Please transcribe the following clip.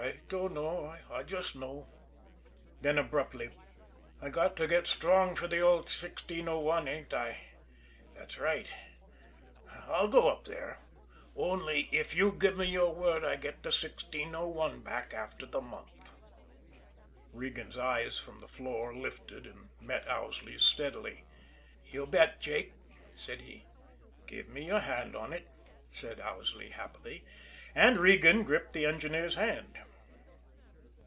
"I dunno I just know." Then abruptly: "I got to get strong for the old 1601, ain't I? That's right. I'll go up there only you give me your word I get the 1601 back after the month." Regan's eyes, from the floor, lifted and met Owsley's steadily. "You bet, Jake!" he said. "Give me your hand on it," said Owsley happily. And Regan gripped the engineer's hand.